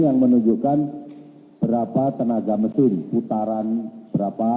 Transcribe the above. yang menunjukkan berapa tenaga mesin putaran berapa